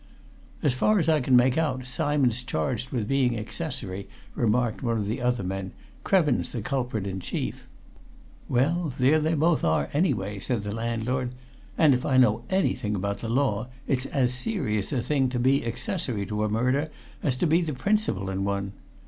"As far as I can make out, Simon's charged with being accessory," remarked one of the other men. "Krevin's the culprit in chief." "Well, there they both are anyway," said the landlord. "And, if I know anything about the law, it's as serious a thing to be accessory to a murder as to be the principal in one.